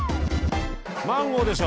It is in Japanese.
マンゴーでしょ